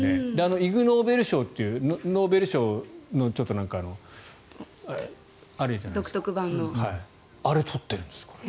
イグノーベル賞というノーベル賞のあれを取ってるんです。